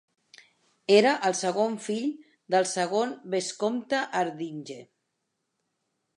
Era el segon fill del segon vescomte Hardinge.